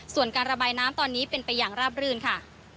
ส่วนการระบายน้ำตอนนี้เป็นไปอย่างราบรื่นค่ะ